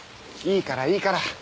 いいからいいから。